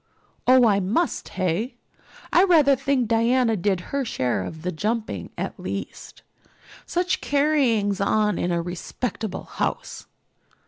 "Oh, I must, hey? I rather think Diana did her share of the jumping at least. Such carryings on in a respectable house!"